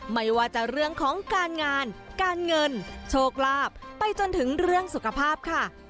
ไม่ว่าจะเรื่องของการงานการเงินโชคลาภไปจนถึงเรื่องสุขภาพค่ะ